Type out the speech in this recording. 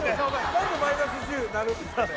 何でマイナス１０になるんですかね